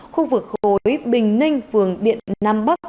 khu vực khối bình ninh phường điện nam bắc